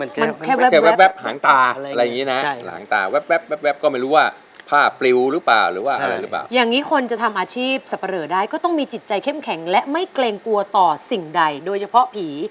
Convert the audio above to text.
อย่างนี้คนจะทำอาชีพสับปะเหลอได้ก็ต้องมีจิตใจเข้มแข็งและไม่เกรงกลัวต่อสิ่งใดโดยเฉพาะผี